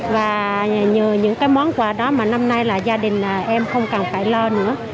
và nhờ những món quà đó mà năm nay là gia đình em không cần phải lo nữa